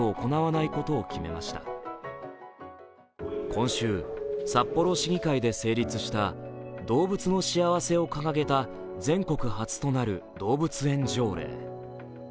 今週、札幌市議会で成立した動物の幸せを掲げた全国初となる動物園条例。